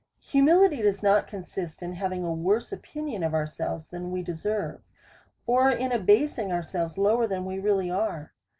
Humility does not consist in having a worse opinion of ourselves than we deserve, or in abasing ourselves lower than we really are.